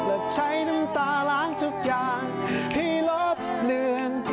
ใช้น้ำตาล้างทุกอย่างให้ลบเลือน